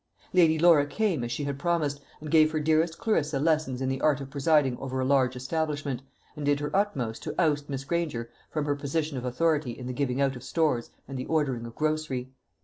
Lady Laura came, as she had promised, and gave her dearest Clarissa lessons in the art of presiding over a large establishment, and did her utmost to oust Miss Granger from her position of authority in the giving out of stores and the ordering of grocery.